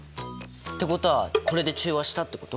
ってことはこれで中和したってこと？